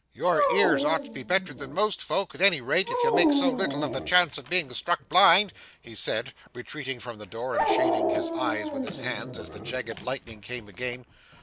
'Your ears ought to be better than other folks' at any rate, if you make so little of the chance of being struck blind,' he said, retreating from the door and shading his eyes with his hands as the jagged lightning came again.